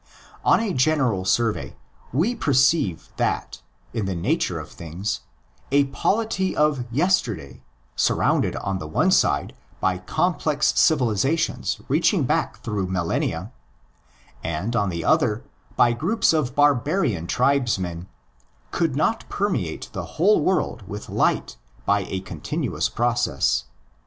On a general survey, we perceive that, in the nature of things, a polity of yesterday, surrounded on the one side by complex civilisations reaching back through millennia, and on the other by groups of barbarian tribesmen, could not permeate the whole world with light by a continuous process.